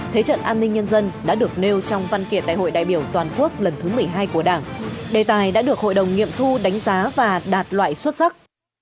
thế trận an ninh nhân dân đã được nêu trong văn kiện đại hội đại biểu toàn quốc lần thứ một mươi hai của đảng đề tài đã được hội đồng nghiệm thu đánh giá và đạt loại xuất sắc